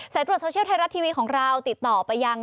ตรวจโซเชียลไทยรัฐทีวีของเราติดต่อไปยัง